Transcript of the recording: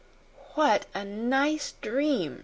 "What a nice dream!"